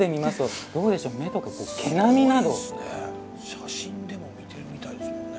写真でも見てるみたいですもんね。